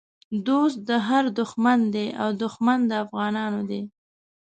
دوست د هر دښمن دی او دښمن د افغانانو دی